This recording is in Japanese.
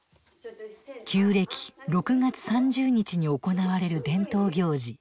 旧暦６月３０日に行われる伝統行事